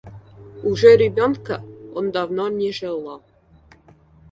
Уже ребенка он давно не желал.